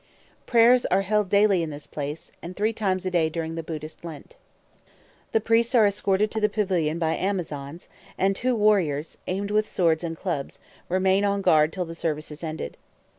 Prayers are held daily in this place, and three times a day during the Buddhist Lent. The priests are escorted to the pavilion by Amazons, and two warriors, armed with swords and clubs, remain on guard till the service is ended.